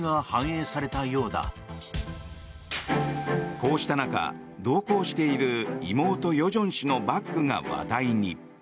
こうした中、同行している妹・与正氏のバッグが話題に。